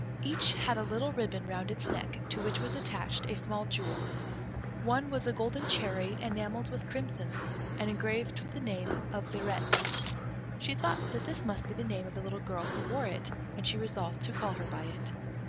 Each had a little ribbon round its neck, to which was attached a small jewel. One was a golden cherry enamelled with crimson, and engraved with the name of "Lirette." She thought that this must be the name of the little girl who wore it, and she resolved to call her by it.